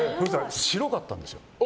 白かったんですよ。